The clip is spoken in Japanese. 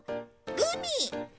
グミ？